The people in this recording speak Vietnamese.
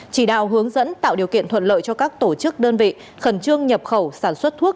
chỉ đạo hướng dẫn tạo điều kiện thuận lợi cho các tổ chức đơn vị khẩn trương nhập khẩu sản xuất thuốc